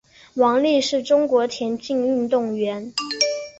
王丽是中国田径运动员。